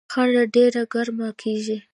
شخړه ډېره ګرمه کېږي.